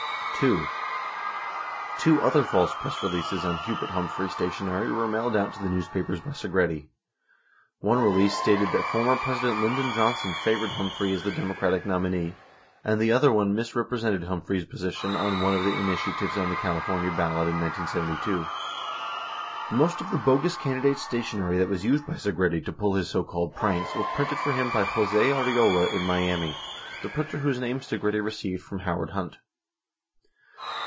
86 2. Two other false press releases on Hubert Humphrey stationery were mailed out to the newspapers by Segretti. One release stated that former President Lyndon Johnson favored Humphrey as the Demo cratic nominee, and the other one misrepresented Humphrey's posi tion on one of the initiatives on the California ballot in 1972. 87 Most of the bogus candidates' stationery that was used by Segretti to pull his so called pranks was printed for him by Jose Arriola in Miami, the printer whose name Segretti received from Howard Hunt.